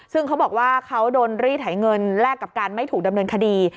ซึ่งเขาบอกว่าเขาโดนรีดไถเงินแลกกับการไม่ถูกดำเนินคดี